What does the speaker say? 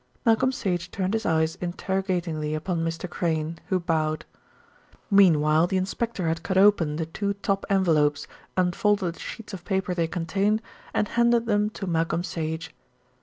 Malcolm Sage turned his eyes interrogatingly upon Mr. Crayne, who bowed. Meanwhile the inspector had cut open the two top envelopes, unfolded the sheets of paper they contained, and handed them to Malcolm Sage.